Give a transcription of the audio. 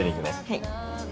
はい。